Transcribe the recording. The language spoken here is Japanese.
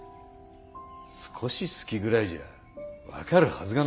少し好きぐらいじゃ分かるはずがない。